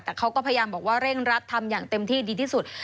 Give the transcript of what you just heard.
แต่เขาก็พยายามบอกว่าเร่งรัดทำอย่างเต็มที่ดีที่สุด